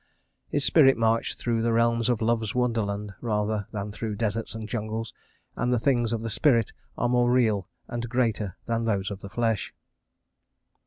His spirit marched through the realms of Love's wonderland rather than through deserts and jungles, and the things of the spirit are more real, and greater than those of the flesh.